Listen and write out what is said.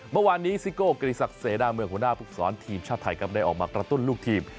เมื่อวานนี้ซิโก้กิริสักเสนาเมืองหัวหน้าภูกษรทีมชาติไทยครับได้ออกมากระตุ้นลูกทีม